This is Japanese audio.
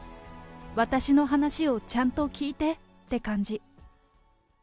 私の話をちゃんと聞いて！って感じ。